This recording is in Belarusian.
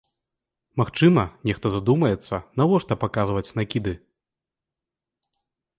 Магчыма, нехта задумаецца, навошта паказваць накіды.